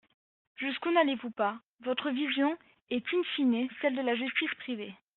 Jusqu’où n’allez-vous pas ! Votre vision est in fine celle de la justice privée.